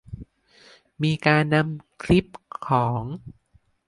มีการนำคลิปของ